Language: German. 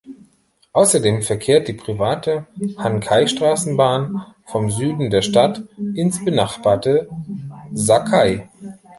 Außerdem verkehrt die private Hankai-Straßenbahn vom Süden der Stadt ins benachbarte Sakai.